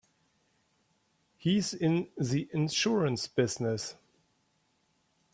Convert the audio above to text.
He's in the insurance business.